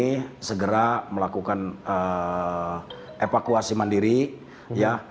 kami segera melakukan evakuasi mandiri ya